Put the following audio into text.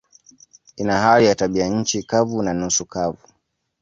Ina hali ya tabianchi kavu na nusu kavu.